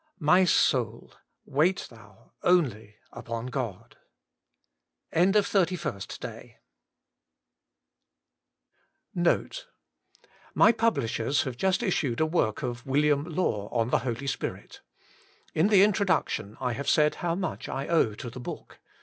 *' My aotu, waU thou only upon Ood /' ISO WAITING ON GOD/ NOTE. My publishers have just issued a work of William Law on the Holy Spirit.^ In the Introduction I have said how much I owe to the book.